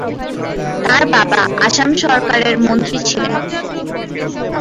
তার বাবা আসাম সরকারের মন্ত্রী ছিলেন।